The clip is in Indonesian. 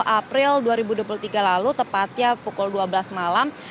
dua puluh april dua ribu dua puluh tiga lalu tepatnya pukul dua belas malam